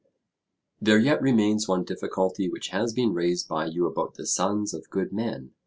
There yet remains one difficulty which has been raised by you about the sons of good men.